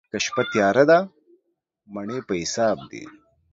که شپه تياره ده، مڼې په حساب دي.